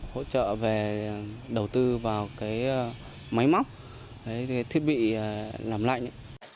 hỗ trợ về đầu tư vào cái máy móc cái thiết bị làm lạnh